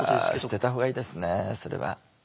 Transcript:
あ捨てたほうがいいですねそれは。